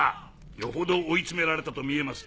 よほど追い詰められたと見えます。